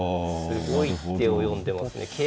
すごい手を読んでますね。